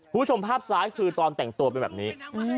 คุณผู้ชมภาพซ้ายคือตอนแต่งตัวเป็นแบบนี้